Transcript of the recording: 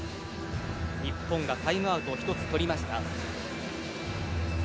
日本がタイムアウトを１つ取りました。